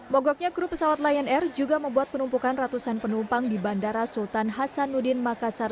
mogoknya kru pesawat lion air juga membuat penumpukan ratusan penumpang di bandara sultan hasanuddin makassar